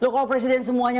kalau presiden semuanya